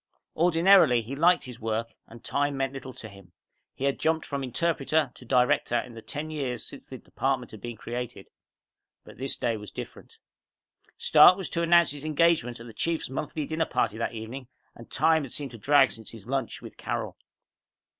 Ordinarily, he liked his work and time meant little to him. He had jumped from interpreter to director in the ten years since the department had been created. But this day was different. Stark was to announce his engagement at the Chief's monthly dinner party that evening and time had seemed to drag since his lunch with Carol.